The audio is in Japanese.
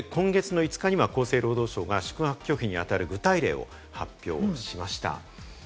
今月５日には厚生労働省が宿泊拒否にあたる具体例を発表しました。